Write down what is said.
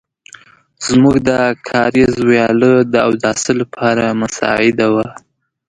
زموږ د کاریز وياله د اوداسه لپاره مساعده وه.